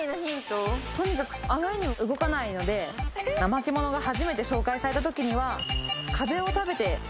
とにかくあまりにも動かないのでナマケモノが初めて紹介された時には。